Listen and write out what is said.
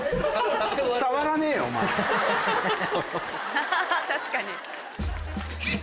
ハハハ確かに。